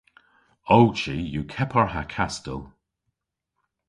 Ow chi yw kepar ha kastel.